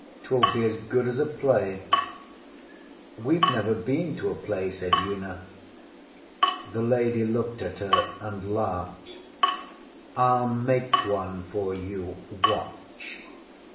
ŌĆśTwill be as good as a play. ŌĆÖ ŌĆśWeŌĆÖve never been to a play, ŌĆÖ said Una. The lady looked at her and laughed. ŌĆśIŌĆÖll make one for you. Watch!